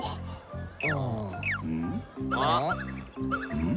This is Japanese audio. うん？